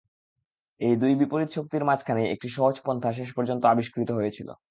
এই দুই বিপরীত শক্তির মাঝখানেই একটি সহজ পন্থা শেষ পর্যন্ত আবিষ্কৃত হয়েছিল।